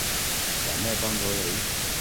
有咩幫到你？